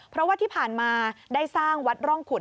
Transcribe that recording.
เพราะว่าที่ผ่านมาได้สร้างวัดร่องขุน